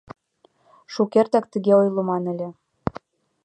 Шукертак тыге ойлыман ыле.